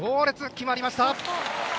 決まりました。